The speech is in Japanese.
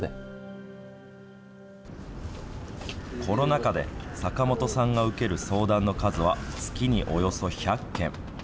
コロナ禍で、坂本さんが受ける相談の数は、月におよそ１００件。